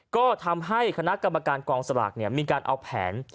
ก็ทำให้คณะกรรมการกองสลากมีการเอาแผน